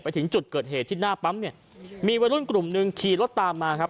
ถึงจุดเกิดเหตุที่หน้าปั๊มเนี่ยมีวัยรุ่นกลุ่มหนึ่งขี่รถตามมาครับ